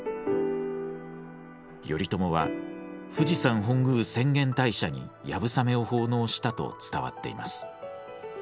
頼朝は富士山本宮浅間大社に流鏑馬を奉納したと伝わっています。